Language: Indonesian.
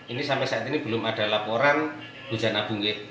ini sampai saat ini belum ada laporan hujan abu get